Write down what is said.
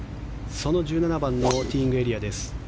その１７番のティーイングエリアです。